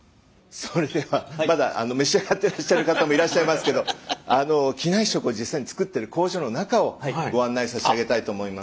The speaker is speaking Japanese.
それではまだ召し上がってらっしゃる方もいらっしゃいますけど機内食を実際に作ってる工場の中をご案内さしあげたいと思います。